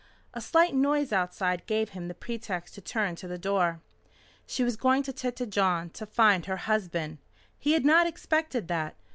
A slight noise outside gave him the pretext to turn to the door. She was going to Tête Jaune to find her husband! He had not expected that.